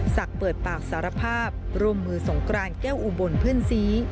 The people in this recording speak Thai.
เปิดปากสารภาพร่วมมือสงกรานแก้วอุบลเพื่อนซี